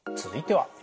続いては。